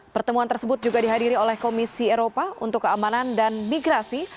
pertemuan tersebut juga dihadiri oleh komisi eropa untuk keamanan dan migrasi